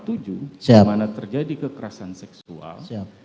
dimana terjadi kekerasan seksual